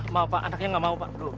mau pak anaknya gak mau pak